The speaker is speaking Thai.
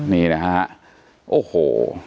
นี่นะฮะโอ้โห